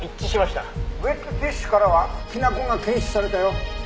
ウェットティッシュからはきな粉が検出されたよ。